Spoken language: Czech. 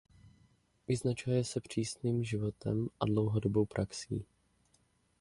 Vyznačuje se přísným životem a dlouhodobou praxí.